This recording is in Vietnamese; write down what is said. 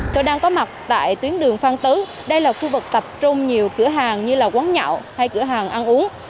tôi đang có mặt tại tuyến đường phan tứ đây là khu vực tập trung nhiều cửa hàng như là quán nhậu hay cửa hàng ăn uống